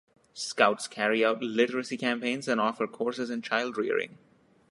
Scouts carry out literacy campaigns and offer courses in childrearing.